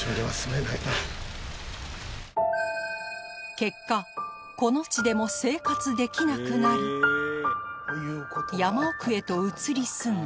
結果この地でも生活できなくなり山奥へと移り住んだ